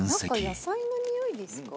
野菜のにおいですか？